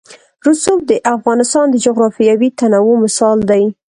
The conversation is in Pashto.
رسوب د افغانستان د جغرافیوي تنوع مثال دی.